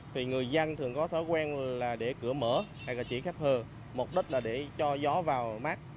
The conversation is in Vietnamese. thì người dân thường có thói quen là để cửa mở hay là chỉ khách hờ mục đích là để cho gió vào mắt